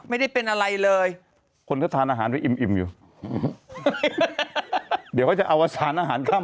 ไม่ได้เป็นอะไรเลยคนก็ทานอาหารไปอิ่มอยู่เดี๋ยวเขาจะเอาอาสารอาหารข้าม